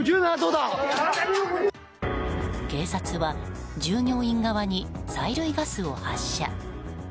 警察は従業員側に催涙ガスを発射。